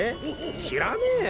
知らねえよ！